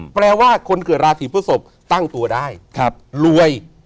แปลว่าคนเกิดราศีพฤศพตั้งตัวได้รวย